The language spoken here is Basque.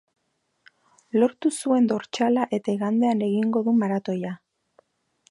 Lortu zuen dortsala eta igandean egingo du maratoia.